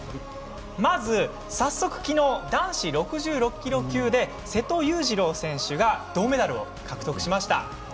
まず、早速きのう男子６６キロ級で瀬戸勇次郎選手が銅メダルを獲得しました。